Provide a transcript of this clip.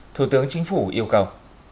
thủ tướng chính phủ yêu cầu